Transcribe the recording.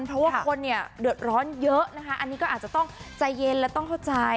เพราะว่าคนเนี่ยเดือดร้อนเยอะนะคะอันนี้ก็อาจจะต้องใจเย็นและต้องเข้าใจ